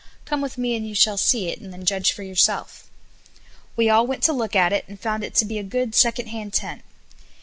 Come with me and you shall see it, and then judge for yourself." We all went to look at it, and found it to be a good second hand tent.